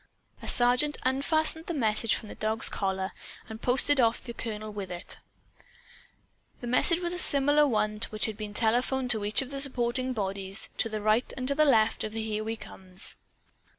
A sergeant unfastened the message from the dog's collar and posted off to the colonel with it. The message was similar to one which had been telephoned to each of the supporting bodies, to right and to left of the Here We Comes.